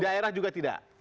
di daerah juga tidak